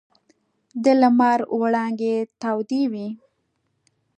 د لمر وړانګې تودې وې.